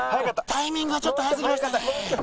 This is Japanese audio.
タイミングがちょっと早すぎましたね。